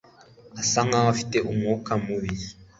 Asa nkaho afite umwuka mubi.